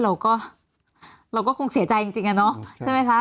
เราก็คงเสียใจจริงใช่ไหมคะ